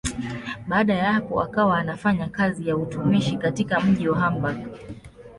Baada ya hapo akawa anafanya kazi ya utumishi katika mji wa Hamburg.